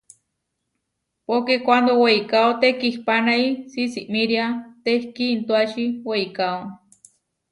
Poké kuándo weikáo tekihpánai, sisimíria tehkiintuáči weikáo.